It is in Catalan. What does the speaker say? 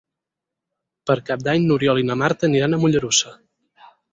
Per Cap d'Any n'Oriol i na Marta aniran a Mollerussa.